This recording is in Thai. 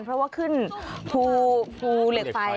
เพราะว่าขึ้นภูเหล็กไฟ